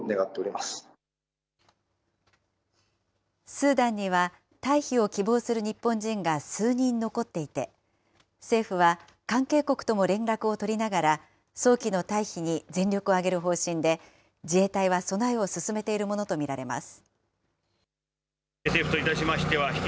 スーダンには退避を希望する日本人が数人残っていて、政府は関係国とも連絡を取りながら、早期の退避に全力をあげる方針で、自衛隊は備えを進めているものと見られます。